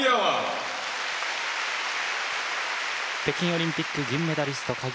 北京オリンピック銀メダリスト、２０２２